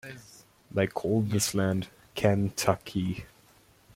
They called this land "Can-tuc-kee".